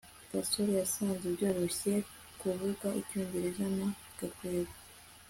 gasore yasanze byoroshye kuvuga icyongereza na gakwego